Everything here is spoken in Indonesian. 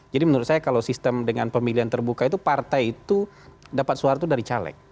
jadi menurut saya kalau sistem dengan pemilihan terbuka itu partai itu dapat suara itu dari caleg